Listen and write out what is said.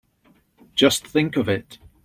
Just think of it!